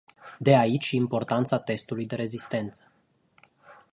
De aici și importanța testului de rezistență.